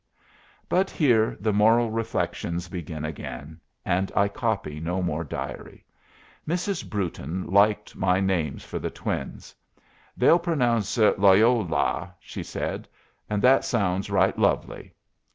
But here the moral reflections begin again, and I copy no more diary. Mrs. Brewton liked my names for the twins. "They'll pronounce it Loyo'la," she said, "and that sounds right lovely."